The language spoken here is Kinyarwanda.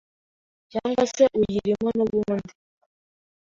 cyangwa se uyirimo nubundi